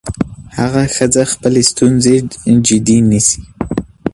هغه ښځه خپلې ستونزې جدي نيسي.